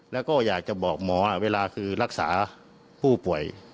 แล้วก็อยากจะบอกหมอเวลาคือรักษาผู้ป่วย